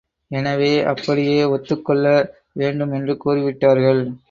எனவே, அப்படியே ஒத்துக்கொள்ள வேண்டும் என்று கூறிவிட்டார்கள்.